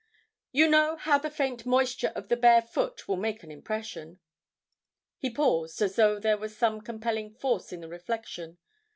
"You know how the faint moisture in the bare foot will make an impression." He paused as though there was some compelling force in the reflection.